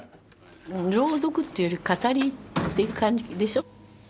朗読っていうより語りっていう感じでしょ。